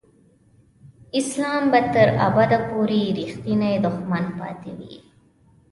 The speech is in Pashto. اسلام به تر ابده پورې رښتینی دښمن پاتې وي.